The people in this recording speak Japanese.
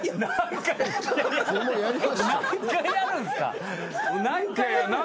何回やるんすか。